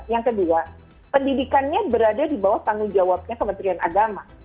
yang kedua pendidikannya berada di bawah tanggung jawabnya kementerian agama